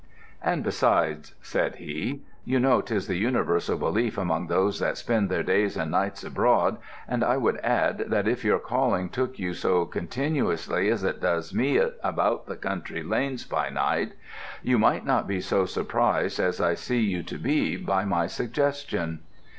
'And besides,' said he, 'you know 'tis the universal belief among those that spend their days and nights abroad, and I would add that if your calling took you so continuously as it does me about the country lanes by night, you might not be so surprised as I see you to be by my suggestion.'